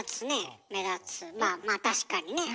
まあまあ確かにね。